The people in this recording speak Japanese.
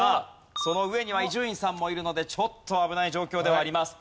その上には伊集院さんもいるのでちょっと危ない状況ではあります。